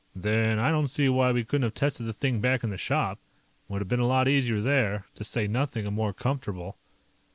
"Then I don't see why we couldn't've tested the thing back in the shop. Would've been a lot easier there. To say nothing of more comfortable."